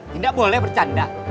gak boleh bercanda